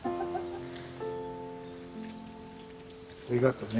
ありがとうね。